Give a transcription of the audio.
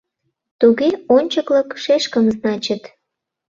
Туге, Ончыкылык шешкым, значыт.